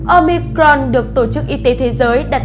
omicron được tổ chức y tế thế giới đặt